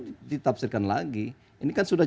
ditafsirkan lagi ini kan sudah